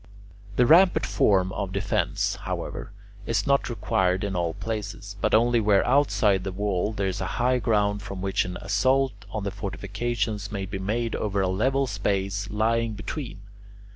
The rampart form of defence, however, is not required in all places, but only where outside the wall there is high ground from which an assault on the fortifications may be made over a level space lying between.